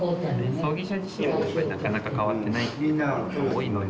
葬儀社自身もなかなか変わってないっていうところも多いので。